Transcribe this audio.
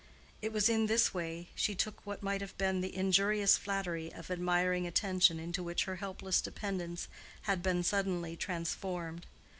It was in this way she took what might have been the injurious flattery of admiring attention into which her helpless dependence had been suddenly transformed.